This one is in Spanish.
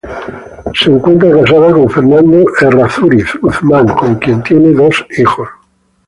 Se encuentra casada con Fernando Errázuriz Guzmán, con quien tiene dos hijos.